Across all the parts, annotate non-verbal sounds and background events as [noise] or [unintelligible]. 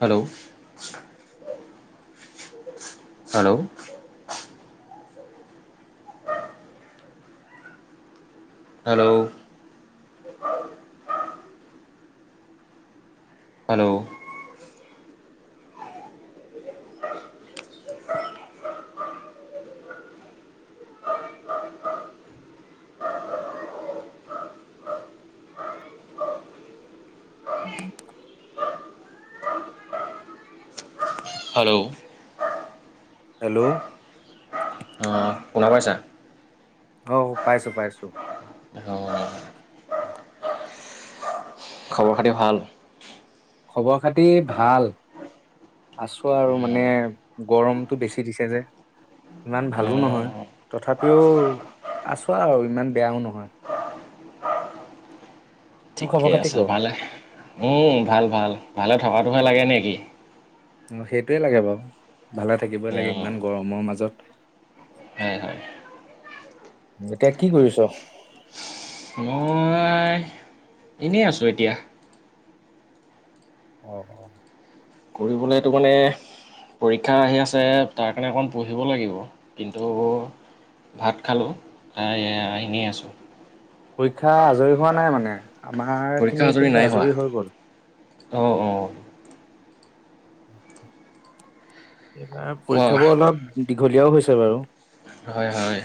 Hello hello hello hello উম hello hello অঁ শুনা পাইছা আঁহ পাইছো পাইছো অঁ খবৰ খাতি ভাল খবৰ খাতি ভাল আছো আৰু মানে গৰমতটো বেছি দিছে যে ইমান ভালো নহয় তথাপিও আছো আৰু ইমান বেয়াও নহয় তোৰ ঠিকে খবৰ খাতি ক আছে অ ভালে উম ভাল ভাল ভালে থকাতটো নালাগে নেকি অঁ সেইটোৱে লাগে বাৰু ভালে থাকিবই লাগে অঁ ইমান গৰমৰ হয় হয় মাজত এতিয়া কি কৰিছ মই এনেই আছো এতিয়া অঁ অঁ পঢ়বলৈতো মানে পৰীক্ষা আহি আছে তাৰ কাৰণে অকণ পঢ়িব লাগিব কিন্তু ভাত খালোঁ ত এনেই আছোঁ পৰীক্ষা আজৰি হোৱা নাই মানে আমাৰ খিনি পৰীক্ষা আঁজৰি কিন্তু নাই আজৰি হৈ গ'ল হোৱা অঁ অঁ এইবাৰ কোৱা পৰীক্ষাবোৰ অলপ দীঘলীয়াও হৈছে বাৰু হয় হয়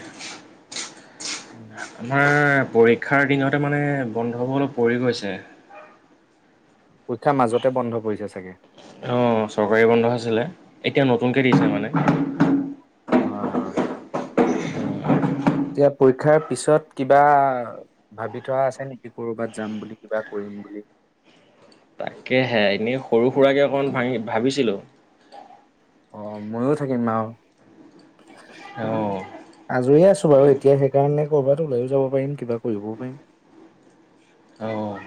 আমাৰ পৰীক্ষাৰ দিনতে মানে বন্ধ হ'ব অলপ পৰি গৈছে পক্ষীৰ মাজতে বন্ধ পৰিছে চাগে অ চৰকাৰী বন্ধ আছিলে এতিয়া নতুনকে দিছে মানে। হয় হয় এতিয়া পৰীক্ষাৰ পিছত কিবা ভাবি থোৱা আছে নেকি কৰবাত যাম বুলি কিবা কৰিম বুলি। তাকেহে এনেই সৰু সুৰাকৈ অকণ ভাঙি ভাবিছিলোঁ। অ ময়ো থাকিম আৰু অ' আজৰি আছো বাৰু এতিয়া সেইকাৰণে কৰবাত ওলাইও যাব পাৰিম কিবা কৰিবও পাৰিম। অ'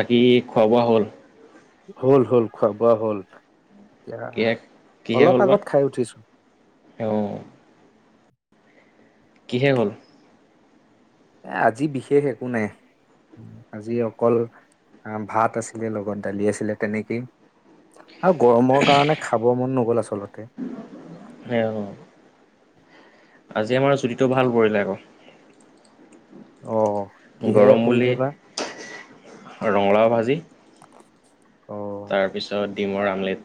বাকী খোৱা বোৱা হ'ল। হ'ল হল খোৱাাবোৱা হ'ল। এতিয়া কিহে কিহে অলপ হ'ল বা? আগত খাই উঠিছো। অ' কিহে হ'ল এ আজি বিশেষ একো নাই আজি অকল ভাত আছিলে লগত দালি আছিলে তেনেকেই আৰু গৰমৰ কাৰণে খাব মন নগ'ল আচলতে উ আজি আমাৰ জুটিটো ভাল পৰিলে আকৌ অ কিহেৰে গৰম বুলি পৰিলে বা ৰঙালাও ভাজি। অ তাৰপিছত ডিমৰ আমলেট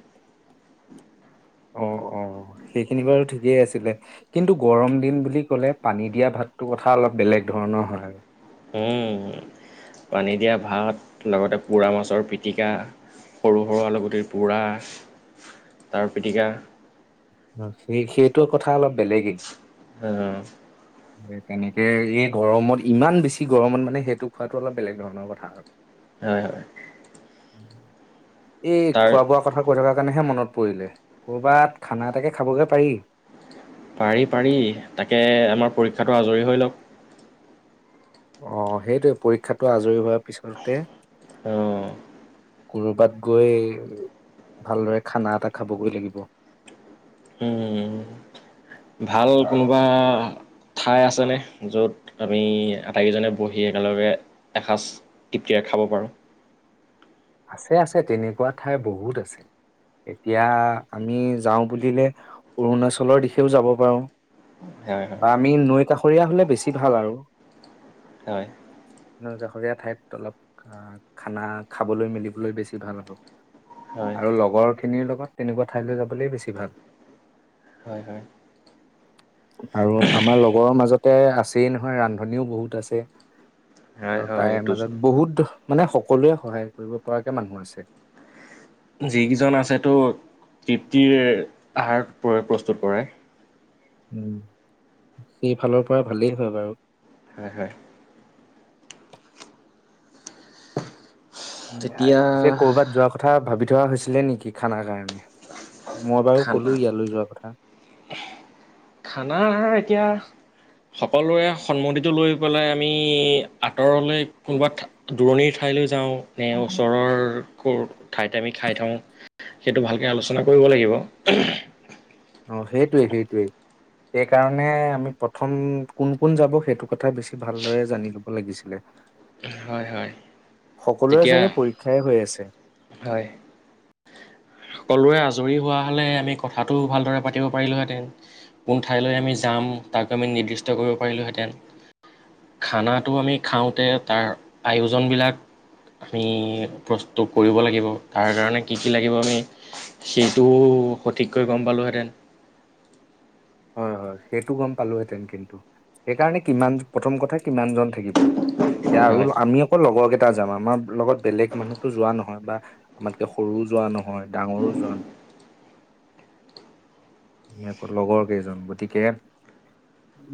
অ অ সেইখিনি বাৰু ঠিকেই আছিলে কিন্তু গৰম দিন বুলি ক'লে পানী দিয়া ভাতটোৰ কথা অলপ বেলেগ ধৰণৰ হয় আৰু। উম, পানী দিয়া ভাত লগতে পোৰা মাছৰ পিটিকা সৰু সৰু আলুগুটিৰ পোৰা তাৰ পিটিকা। সেই সেইটো কথা অলপ বেলেগেই। উম তেনেকে এই গৰমত ইমান বেছি গৰমত মানে সেইটো খোৱাাতটো অলপ বেলেগ ধৰণৰ কথা আৰু। হয় হয়। উম এই তাৰ খোৱা বোৱা কথা কৈ থকা কুৱাকানেহে মনত পৰিলে কৰ'বাত খানা এটাকে খাবগে পাৰি। পাৰি পাৰি তাকে আমাৰ পৰীক্ষাটো আজৰি হৈ লওক। আহ সেইটোে পৰীক্ষাটো আজৰি হোৱাৰ পিছতে অ কবাত গৈ ভালদৰে খানা এটা খাবগৈ লাগিব। উম ভাল কোনোবা ঠাই আছেনে য'ত আমি আটাইকেইজনে বহি একেলগে এসাঁজ তৃপ্তিৰে খাব পাৰোঁ। আছে আছে তেনেকুৱা ঠাই বহুত আছে এতিয়া আমি যাওঁ বুলিলে অৰুণাচলৰ দিশেও যাব পাৰো হয় বা হয় আমি নৈ কাষৰীয়া হলে বেছি ভাল আৰু হয় নৈ কাষৰীয়া ঠাইত অলপ খানা খাবলৈ মেলিবলৈ বেছি ভাল হ হয় আৰু লগৰ খিনিৰ লগত তেনেকুৱা ঠাইলৈ যাবলৈ বেছি ভাল হয় হয় আৰু আমাৰ লগৰৰ মাজতে আছে নহয় ৰান্ধনও বহুত আছে হয় আৰু হয় তাইৰ দুজন মাজত বহুত মানে সকলোৱে সহায় কৰিব পৰাকৈ মানুহ আছে যিকেইজন আছে তো তৃপ্তিৰ আহাৰ প্ৰ প্ৰস্তুত কৰে উম সেইফালৰ পৰা ভালেই হয় বাৰু হয় হয় তেতিয়া পিছে কৰ'বাত যোৱাৰ কথা ভাবি যোৱা হৈছিলে নেকি খানাৰ কাৰণে। মই বাৰু কলো খানা ইয়ালৈ যোৱা কথা খানা এতিয়া সকলোৰে সন্মতিটো লৈ পেলাই আমি আঁতৰলৈ কোনোবা দূৰণিৰ ঠাইলৈ যাওঁ এ ওচৰৰ ক' ঠাইতে আমি খাই থওঁ সেইটো ভালকৈ আলোচনা কৰিব লাগিব। অ সেইটোৱে সেইটোৱেই সেই কাৰনে আমি প্ৰথম কোন কোন যাব সেইটো কথা বেছি ভালদৰে জানি লব লাগিছিলে হয় হয় সকলোৰে তেতিয়া চাগে পৰীক্ষাই হৈ আছে। সকলোৱৰে আজৰি হোৱা হ'লে আমি কথাটো ভালদৰে পাতিব পাৰিলোঁহেতেন কোন ঠাইলৈ আমি যাম তাক আমি নিৰ্দিষ্ট কৰিব পাৰিলোঁহেঁতেন খানাটো আমি খাওঁতে তাৰ আয়োজনবিলাক আমি প্ৰস্তুত কৰিব লাগিব তাৰ কাৰণে কি কি লাগিব আমি সেইটো সঠিককৈ গম পালোহেঁতেন। হয় হয়, সেইটো গম পালোহেঁতেন কিন্তু। সেইকাৰণে কিমান, প্ৰথম কথা কিমান জন থাকিব। এতিয়া আৰু হয় আমি অকল লগৰ কেই টা যাম, আমাৰ লগত বেলেগ মানুহটো যোৱা নহয় বা আমাতকে সৰুও যোৱা নহয়, ডাঙৰো যোৱা, [unintelligible] লগৰ কেইজন গতিকে,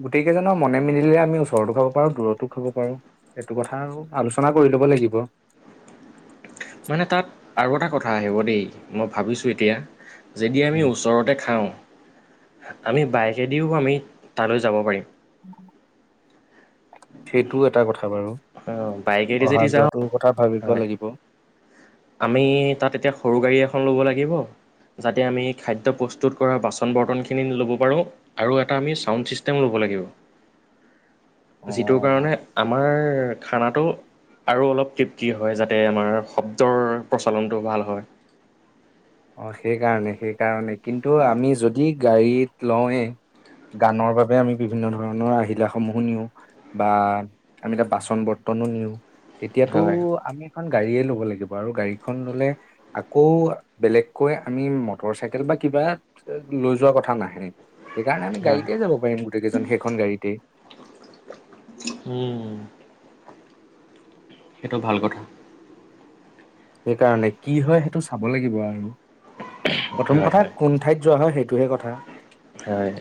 গোটেই কেইজনৰ মনে মিলিলে আমি ওচৰতো খাব পাৰো দূৰতো খাব পাৰো, এইটো কথা আৰু আলোচনা কৰি লব লাগিব। মানে তাত আৰু এটা কথা আহিব দেই, মই ভাবিছোঁ এতিয়া যদি আমি ওচৰতে খাওঁ আমি বাইকেদিও আমি তালৈ যাব পাৰিম। সেইটো এটা কথা বাৰু। অ', বাইকেদি যদি যাওঁ ভবিব হয় লাগিব। আমি তাত এতিয়া সৰু গাড়ী এখন ল'ব লাগিব যাতে আমি খাদ্য প্ৰস্তুত কৰা বাচন বৰ্তনখিনি ল'ব পাৰোঁ আৰু এটা আমি চাউণ্ড ছিষ্টেম ল'ব লাগিব। যিটোৰ কাৰণে আমাৰ খানাটো আৰু অলপ তৃপ্তি হয় যাতে আমাৰ শব্দ ৰ প্ৰচলনটো ভাল হয়। অ সেইকাৰনে সেইকাৰনে কিন্তু আমি যদি গাড়ীত লওঁয়ে গানৰ বাবে আমি বিভিন্ন ধৰণৰ আহিলা সমূহো নিওঁ বা আমি তাত বাচন-বৰ্তনো নিওঁ। তেতিয়াতো হয় আমি খন গাড়িয়ে ল'ব লাগিব আৰু গাড়ীখন ল'লে আকৌ বেলেগকৈ আমি মটৰ চাইকেল বা কিবা লৈ যোৱা কথা নাহে। সেইকাৰণে আমি হয় গাড়ীতে যাব পাৰিম গোটেই কেইজন সেইখন গাড়ীতেই। উম, সেইটো ভাল কথা। সেইকাৰণে কি হয় সেইটো চাব লাগিব আৰু। প্ৰথম হয় কথা হয় কোন ঠাইত যোৱা হয় সেই সেটোহে কথা। হয়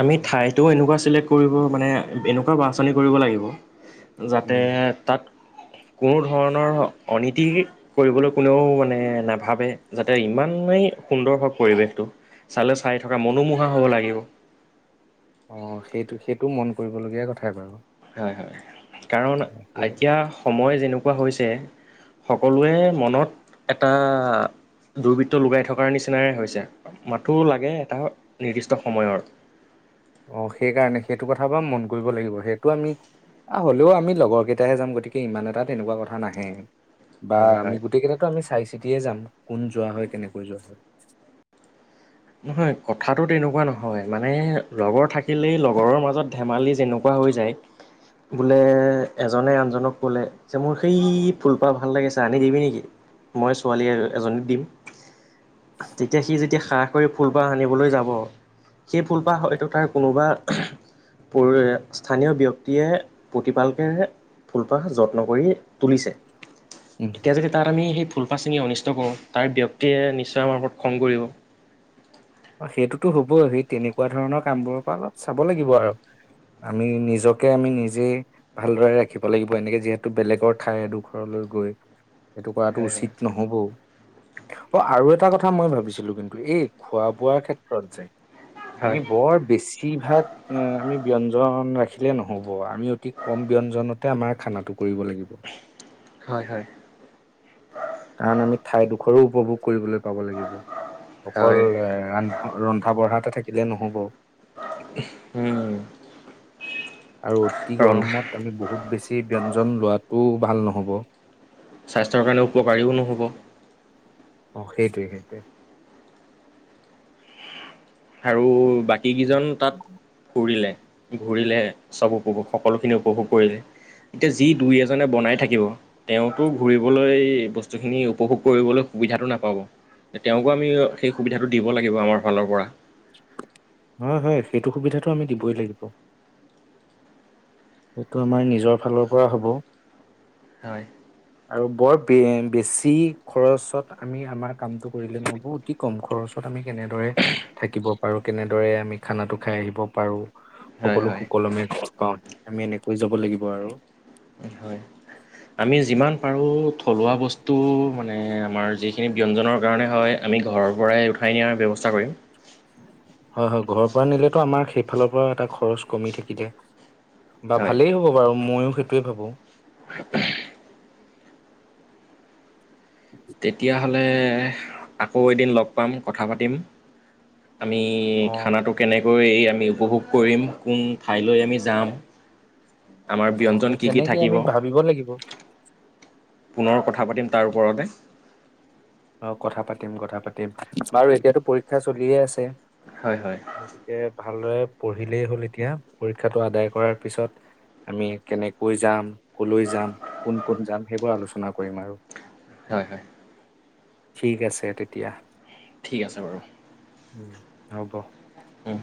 আমি ঠাইতোও এনেকুৱা চিলে কৰিব মানে এনেকুৱা বা আচনি কৰিব লাগিব যাতে উম তাত কোনো ধৰণৰ অনীতি কৰিবলৈ কোনেও মানে নাভাবে যাতে ইমানেই সুন্দৰ হওঁক পৰিৱেশটো। চালে চাই থকা মনোমোহা হ'ব লাগিব। অ' সেইটো সেইটো মন কৰিবলগীয়া কথাই বাৰু। হয় হয়। কাৰণ সেই এতিয়া সময় যেনেকুৱা কোৱা হৈছে, সকলোৱে মনত এটা দুৰ্বৃত্ত লগগাই থকাৰ নিচিনাই হৈছে মথো লাগে এটা নিৰ্দিষ্ট সময়ৰ। অ', সেইকাৰণে সেইটো কথা বাৰু মন কৰিব লাগিব। সেইটো আমি হলেও, আমি লগৰ কেইটাহে যাম। গতিকে ইমান এটা তেনেকুৱা কথা নাহে। বা হয় হয় আমি গোটেই কেইটাতো আমি চাইছো। চিতিয়ে যাম কোন যোৱা হয় কেনেকৈ যোৱা হয়। নহয় কথাটো তেনেকুৱা নহয় মানে লগৰ থাকিলেই লগৰৰ মাজত ধেমালি যেনেকুৱা হৈ যায় বোলে এজনে আনজনক ক'লে যে, মোৰ সেই ফুলপাহ ভাল লাগিছে, আনি দিবি নেকি, মই ছোৱালী এজনীক দিম। তেতিয়া সি যেতিয়া শাক কৰি ফুলপাহ সনিবলৈ যাব। সেই ফুলপাহ হয়তো তাৰ কোনোবা স্থানীয় ব্যক্তিয়ে প্ৰতিপালকে ফুলপাহ যত্ন কৰি তুলিছে। উম, এতিয়া যদি তাত আমি সেই ফুলপা চেঙি অনিষ্ট কৰোঁ। তাৰ ব্যক্তিয়ে নিশ্চয় আমাৰ ওপৰত খং কৰিব। সেইটোতো হবই সি তেনেকুৱা ধৰণৰ কামবোৰৰ পৰা অলপ চাব লাগিব আৰু, আমি নিজকে আমি নিজেই ভালদৰে ৰাখিব লাগিব। এনেকে যিহেতু বেলেগৰ ঠাই এডোখৰলৈ গৈ এইটো কৰাটো হয় হয় উচিত নহবও। অ, আৰু এটা কথা মই ভাবিছিলো কিন্তু এই খোৱা বোৱাৰ ক্ষেত্ৰত যায়। হয় আমি বৰ বেছিভাগ আমি ব্যয়ঞ্জন ৰাখি ৰাখিলে নহ'ব আমি অতি কম ব্যঞ্জনতে আমাৰ খানাটো কৰিব লাগিব হয় হয় কাৰণ আমি ঠাইডোখৰো উপভোগ কৰিবলৈ থাকিব লাগিব। অকল, হয় এন্ধ ৰন্ধা বঢ়া এটা থাকিব। থিলে নহ'ব। উম, আৰু অতি ৰন্ধা গৰমত আমি বহুত বেছি ব্যয়ঞ্জন লোৱাাতটো ভাল নহ'ব। স্বাস্থ্যৰ কাৰণে উপকাৰীও নহ'ব। অ, সেইটোৱে সেইটোৱে। আৰু? বাকীকেইজন তাত ফুৰিলে। ঘূৰিলে চব উপভোগ সকলোখিনি উপভোগ কৰিলে এতিয়া যি দুই এজনে বনাই থাকিব তেওঁতো ঘূৰিবলৈ বস্তুখিনি উপভোগ কৰিবলৈ সুবিধাটো নাপাব। তেওঁকো আমি সেই সুবিধাটো দিব লাগিব আমাৰ ফালৰ পৰা। হয়, হয়। সেইটো সুবিধাটো আমি দিবই লাগিব। সেইটো আমাৰ নিজৰ ফালৰ পৰা হ'ব। হয়। আৰু বৰ বে বেছি খৰচত আমি আমাৰ কামটো কৰিলে নোৱাৰব। অতি কম খৰচত আমি কেনেদৰে থাকিব পাৰোঁ। কেনেদৰে আমি খানাটো খাই আহিব পাৰোঁ। হয়, সকলো হয়। সুকলমে খজ পাওঁ আহি। আমি এনেকৈ যাব লাগিব আৰু। হয়। আমি যিমান পাৰোঁ থলুৱা বস্তু মানে আমাৰ যিখিনি ব্যঞ্জনৰ কাৰণে হয়। আমি ঘৰৰ পৰাই উঠাই নিয়াৰ ব্যৱস্থা কৰিম। হয়, হয়। ঘৰৰ পৰা নিলেতো আমাৰ সেইফালৰ পৰাও এটা খৰচ কমি থাকিলে। বা হয়। ভালেই হ'ব বাৰু মইো। সেইটোৱে ভাবোঁ। [unintelligible] তেতিয়াহ'লে আকৌ এদিন লগ পাম কথা পাতিম। আমি অ খানাটো কেনেক [unintelligible] আমি উপভোগ কৰিম কোন ঠাইলৈ আমি যাম। আমাৰ অ ব্যঞ্জন সেই কি কি তেনেকে থাকিব আমি ভাবিব লাগিব পুনৰ কথা পাতিম তাৰ ওপৰতে অ কথা পাতিম কথা পাতিম বাৰু এতিয়াতো পৰীক্ষা চলিয়ে আছে হয় হয় গতিকে ভালদৰে পঢ়িলেই হ'ল এতিয়া পৰীক্ষাটো আদায় কৰাৰ পিছত আমি কেনেকৈ যাম কলৈ যাম কোন কোন যাম সেইবোৰ আলোচনা কৰিম আৰু হয় হয় ঠিক আছে তেতিয়া ঠিক আছে বাৰু উম হব অহ